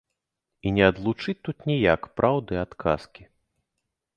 І не адлучыць тут ніяк праўды ад казкі.